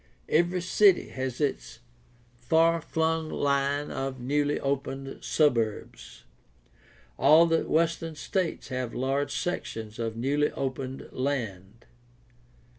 Every city has its far flung line of newly opened suburbs. All the western states have large sections of newly opened land.